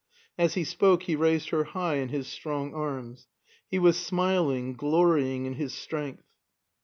As he spoke he raised her high in his strong arms. He was smiling, glorying in his strength.